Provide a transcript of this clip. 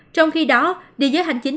trong khi đó địa giới hành chính